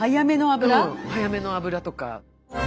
うん早めの油とか。